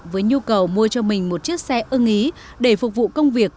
với nhu cầu mua cho mình một chiếc xe ưng ý để phục vụ công việc